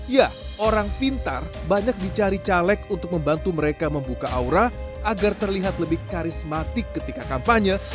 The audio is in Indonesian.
ya orang pintar banyak dicari caleg untuk membantu mereka membuka aura agar terlihat lebih karismatik ketika kampanye